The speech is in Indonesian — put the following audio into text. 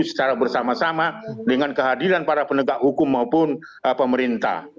secara bersama sama dengan kehadiran para penegak hukum maupun pemerintah